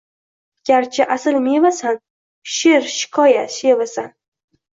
Garchi asil mevasan, sheʼr-shikoyat shevasan